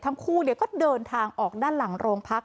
ทั้งคู่ก็เดินทางออกด้านหลังโรงพัก